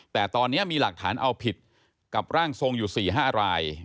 แต่ตอนนี้มีหลักฐานเอาผิดกับร่างทรงอยู่๔๕ราย